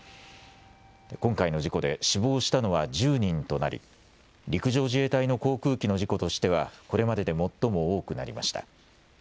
今回の事故で死亡したのは１０人となり陸上自衛隊の航空機の事故としてはこれまでで最も多くなりました。